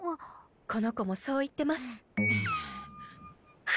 この子もそう言ってます。